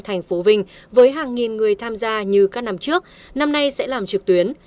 thành phố vinh với hàng nghìn người tham gia như các năm trước năm nay sẽ làm trực tuyến